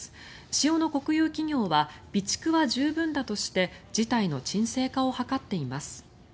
塩の国有企業は備蓄は十分だとして事態の鎮静化を図っています。